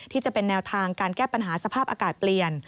จะเป็นแนวทางการแก้ปัญหาสภาพอากาศเปลี่ยน